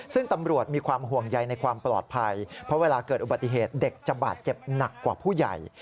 ซึ่งตำรวจมีความห่วงใยในความปลอดภัยเพราะเวลาเกิดอุบัติเหตุเด็กจะบาดเจ็บหนักกว่าผู้ใหญ่